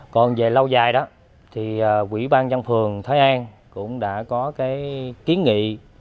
còn về lâu dài đó thì quỹ ban dân phường thái an cũng đã có cái kiến nghị